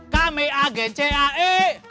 kami agen cae